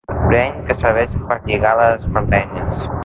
Breny que serveix per lligar les espardenyes.